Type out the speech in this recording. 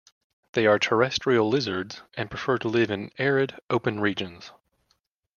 They are terrestrial lizards and prefer to live in arid, open regions.